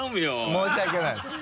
申し訳ない。